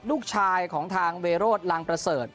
ลูกชายของทางเวโรธลังประเสริฐ